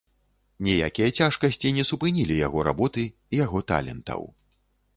Ніякія цяжкасці не супынілі яго работы, яго талентаў.